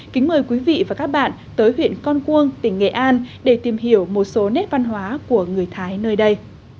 kính mời quý vị và các bạn tới huyện con cuông tỉnh nghệ an để tìm hiểu một số nét văn hóa của người thái nơi đây